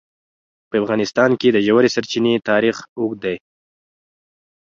په افغانستان کې د ژورې سرچینې تاریخ اوږد دی.